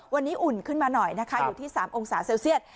วันนี้อุ่นขึ้นมาหน่อยนะคะอยู่ที่๓องศาเซลเซียต